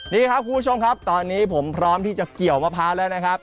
นี่ครับคุณผู้ชมครับตอนนี้ผมพร้อมที่จะเกี่ยวมะพร้าวแล้วนะครับ